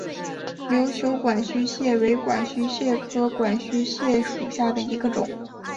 琉球管须蟹为管须蟹科管须蟹属下的一个种。